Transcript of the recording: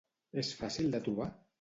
És fàcil de trobar?